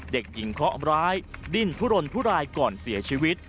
เด็กหญิงเคาะร้ายดิ้นทุรนทุรายก่อนเสียชีวิต